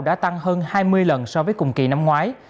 đã tăng hơn hai mươi lần so với cùng kỳ năm ngoái